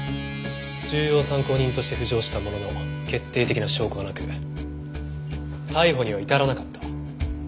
重要参考人として浮上したものの決定的な証拠がなく逮捕には至らなかった。